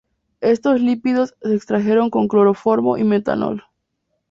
Estos lípidos se extrajeron con cloroformo y metanol.